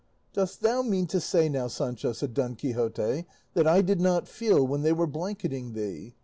"Dost thou mean to say now, Sancho," said Don Quixote, "that I did not feel when they were blanketing thee?